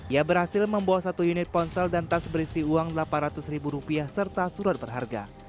ia berhasil membawa satu unit ponsel dan tas berisi uang delapan ratus ribu rupiah serta surat berharga